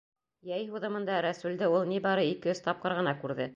Йәй һуҙымында Рәсүлде ул ни бары ике-өс тапҡыр ғына күрҙе.